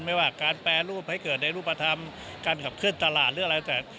ไม่ว่าการแปรรูปให้เกิดในรูปธรรมการขับเคลื่อนตลาดหรืออะไรแต่